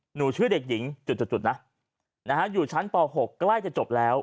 หนูชื่อเด็กหญิงจุดจุดจุดนะนะฮะอยู่ชั้นป่าวหกใกล้จะจบแล้ว